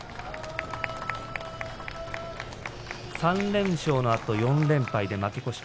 ３連勝のあと４連敗で上戸は負け越し。